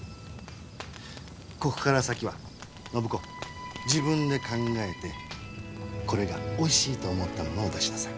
ここから先は暢子自分で考えてこれがおいしいと思ったものを出しなさい。